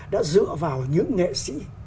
đã dựa vào những nghệ sĩ